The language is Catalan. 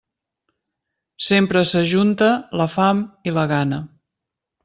Sempre s'ajunta la fam i la gana.